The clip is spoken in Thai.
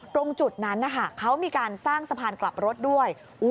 ตรงจุดนั้นนะคะเขามีการสร้างสะพานกลับรถด้วย